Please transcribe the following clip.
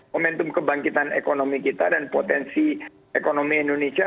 momentum kebangkitan ekonomi kita dan potensi ekonomi indonesia